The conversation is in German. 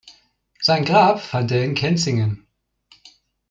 Sein Grab fand er in Kenzingen.